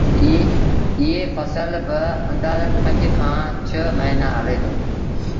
ايٚ ڦسل با آݩدآزن پنج کآݩ ڇه موهيݩآݩ هلي دو